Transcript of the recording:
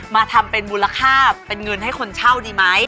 มาทำเป็นมูลค่าเป็นเงินให้คนเช่าดีไหม